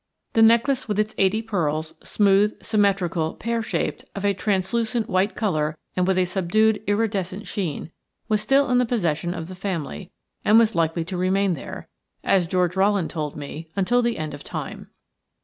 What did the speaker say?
The necklace with its eighty pearls, smooth, symmetrical, pear shaped, of a translucent white colour and with a subdued iridescent sheen, was still in the possession of the family, and was likely to remain there, as George Rowland told me, until the end of time.